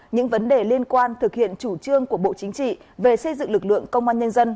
những vấn đề liên quan thực hiện chủ trương của bộ chính trị về xây dựng lực lượng công an nhân dân